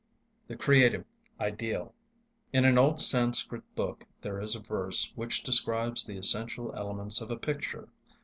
THE CREATIVE IDEAL In an old Sanskrit book there is a verse which describes the essential elements of a picture.